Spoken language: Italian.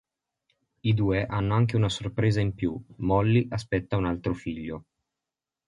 I due hanno anche una sorpresa in più: Mollie aspetta un altro figlio.